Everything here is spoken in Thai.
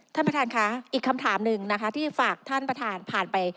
ท่านประธานค่ะอีกคำถามหนึ่งนะคะที่ฝากท่านประธานผ่านไป